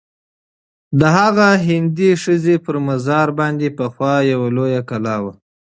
د هغه هندۍ ښځي پر مزار باندي پخوا یوه لویه کلا وه.